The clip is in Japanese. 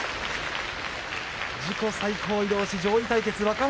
自己最高位どうし、上位対決若元